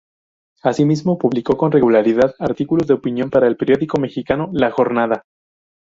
Asimismo, publicó con regularidad artículos de opinión para el periódico mexicano "La Jornada".